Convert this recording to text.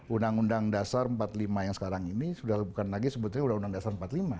undang undang dasar empat puluh lima yang sekarang ini sudah bukan lagi sebetulnya undang undang dasar empat puluh lima